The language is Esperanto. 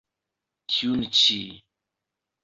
Tiun ĉi.